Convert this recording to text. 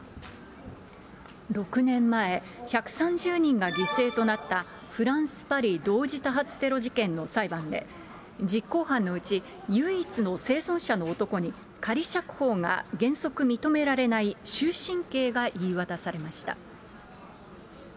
６年前、１３０人が犠牲となった、フランス・パリ同時多発テロ事件の裁判で、実行犯のうち、唯一の生存者の男に、仮釈放が原則認められない終身刑が言い渡されました。